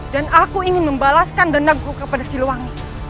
dan aku ingin membalaskan dendamku kepada silam